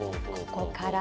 ここから。